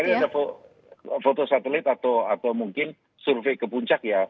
tapi ada foto satelit atau mungkin survei ke puncak ya